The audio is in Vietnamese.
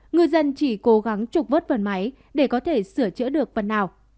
ngư dân chỉ cố gắng trục vớt phần máy để có thể sửa chữa được phần nào